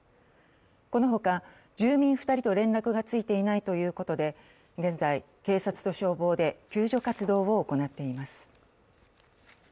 このほか住民２人と連絡がついていないということで現在、警察と消防で救助活動を行っています。